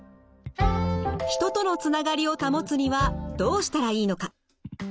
人とのつながりを保つにはどうしたらいいのか？